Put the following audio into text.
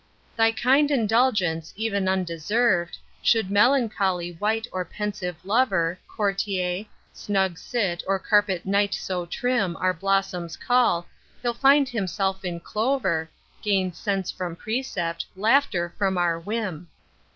Thy kind indulgence, even undeserv'd, Should melancholy wight or pensive lover, Courtier, snug cit, or carpet knight so trim Our blossoms cull, he'll find himself in clover, Gain sense from precept, laughter from our whim.